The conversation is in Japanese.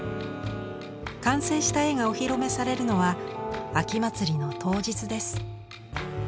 完成した絵がお披露目されるのは秋祭りの当日です。